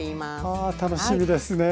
あ楽しみですね。